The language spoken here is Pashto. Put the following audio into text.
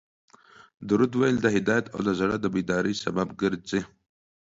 درود ویل د هدایت او د زړه د بیداري سبب ګرځي